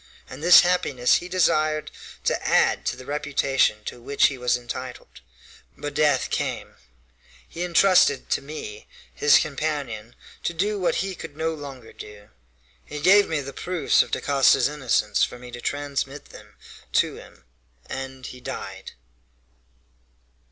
And this happiness he desired to add to the reputation to which he was entitled. But death came he intrusted to me, his companion, to do what he could no longer do. He gave me the proofs of Dacosta's innocence for me to transmit them to him, and he died."